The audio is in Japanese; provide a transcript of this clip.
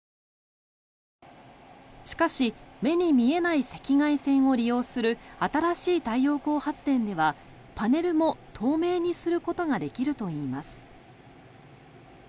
しかし目に見えない赤外線を利用する新しい太陽光発電ではパネルも透明にすることができるといいます。